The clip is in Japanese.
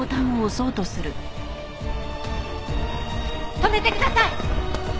止めてください！